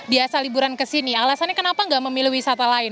biasa liburan ke sini alasannya kenapa enggak memilih wisata lain